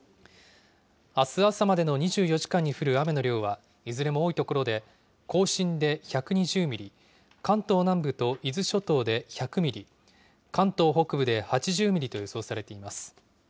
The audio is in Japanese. あす朝までの２４時間に降る雨の量は、いずれも多い所で、甲信で１２０ミリ、関東南部と伊豆諸島で１００ミリ、関東北部で８０ミリと予想されています。